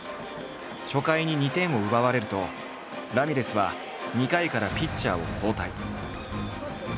初回に２点を奪われるとラミレスは２回からピッチャーを交代。